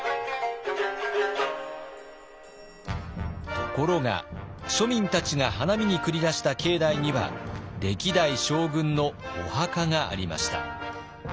ところが庶民たちが花見に繰り出した境内には歴代将軍のお墓がありました。